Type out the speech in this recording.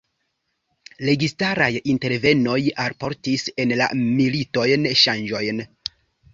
Registaraj intervenoj alportis en la militojn ŝanĝojn.